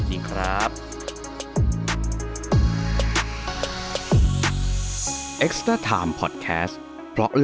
ครับสวัสดีครับ